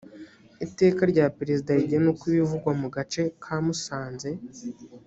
iteka rya perezida rigena uko ibivugwa mu gace kamusanze